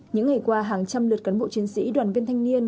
những ngày qua hàng trăm lượt cán bộ chiến sĩ đoàn viên thanh niên